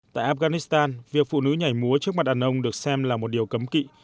tại afghanistan việc phụ nữ nhảy múa trước mặt đàn ông được xem là một điều cấm kỵ